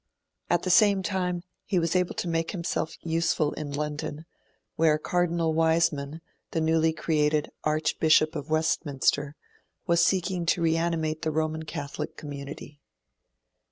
At the same time, he was able to make himself useful in London, where Cardinal Wiseman, the newly created Archbishop of Westminster, was seeking to reanimate the Roman Catholic community.